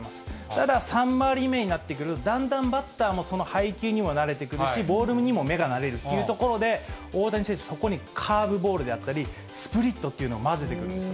ただ、３まわり目になってくる、だんだんバッターもその配球にも慣れてくるし、ボールにも目が慣れるというところで、大谷選手、そこにカーブボールであったり、スプリットっていうのを混ぜてくるんです。